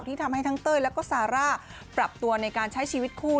ที่ทำให้ทั้งเต้ยแล้วก็ซาร่าปรับตัวในการใช้ชีวิตคู่